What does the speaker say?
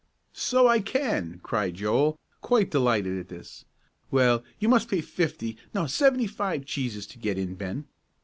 "So I can," cried Joel, quite delighted at this. "Well, you must pay fifty, no, seventy five cheeses to get in, Ben."